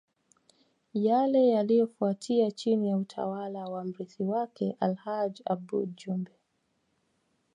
Yale yaliyofuatia chini ya utawala wa mrithi wake Alhaji Aboud Jumbe